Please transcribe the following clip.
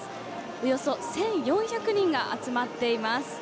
およそ１４００人が集まっています。